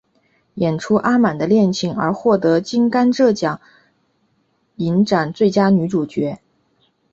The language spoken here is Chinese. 演出阿满的恋情而获得金甘蔗影展最佳女主角。